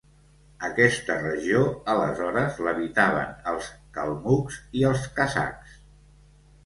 Aquesta regió aleshores l'habitaven els calmucs i els kazakhs.